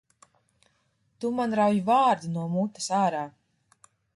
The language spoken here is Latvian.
Tu man rauj vārdu no mutes ārā!